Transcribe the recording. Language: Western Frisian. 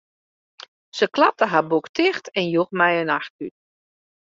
Se klapte har boek ticht en joech my in nachttút.